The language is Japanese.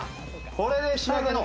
これで仕上げの？